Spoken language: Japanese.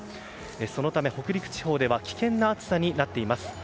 そのため北陸地方では危険な暑さになっています。